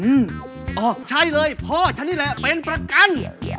อืมอ๋อใช่เลยพ่อฉันนี่แหละเป็นประกัน